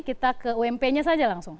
kita ke ump nya saja langsung